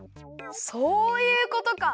そういうことか！